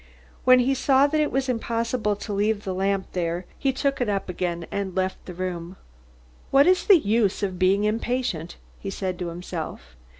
When he saw that it was impossible to leave the lamp there he took it up again and left the room. "What is the use of being impatient?" he said to himself.